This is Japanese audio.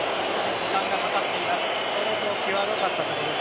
時間がかかっています。